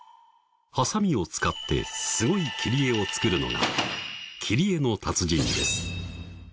ハサミを使ってすごい切り絵を作るのが切り絵のたつじんです。